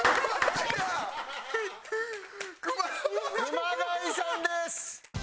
熊谷さんです！